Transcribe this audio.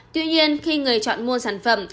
tuy nhiên khi người chọn mua sản phẩm